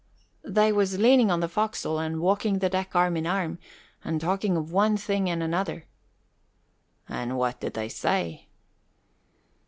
"They was leaning on the forecastle and walking the deck arm in arm and talking of one thing and another." "And what did they say?"